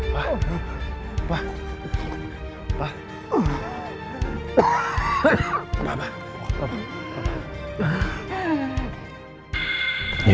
sampai jumpa di video selanjutnya